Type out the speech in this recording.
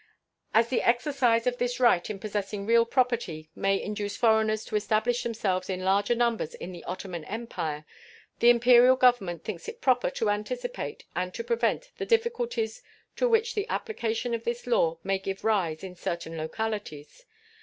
As the exercise of this right of possessing real property may induce foreigners to establish themselves in larger numbers in the Ottoman Empire, the Imperial Government thinks it proper to anticipate and to prevent the difficulties to which the application of this law may give rise in certain localities.